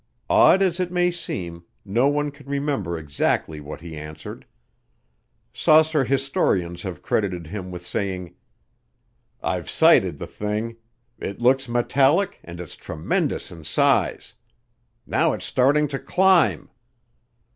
Odd as it may seem, no one can remember exactly what he answered. Saucer historians have credited him with saying, "I've sighted the thing. It looks metallic and it's tremendous in size. ... Now it's starting to climb."